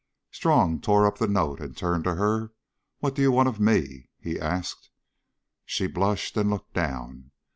Strong tore up the note and turned to her. "What do you want of me?" he asked. She blushed and looked down.